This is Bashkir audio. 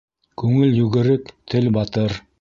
Күңел йүгерек, тел батыр.